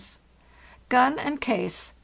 6 Gun and case